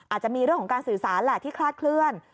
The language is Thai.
อาจจะมีเรื่องของการสื่อสารแหละที่คลาดเคลื่อน